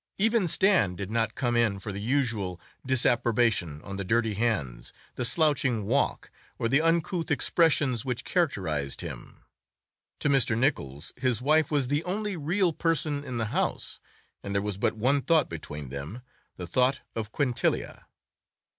Even Stan did not come in for the usual disapprobation on the dirty hands, the slouching walk, or the uncouth expressions which characterized him. To Mr. Nichols his wife was the only real person in the house, and there was but one thought between them—the thought of Quintilia.